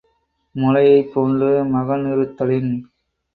முளையைப்போன்று மகனிருத்தலின்